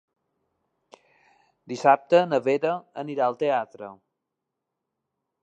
Dissabte na Vera anirà al teatre.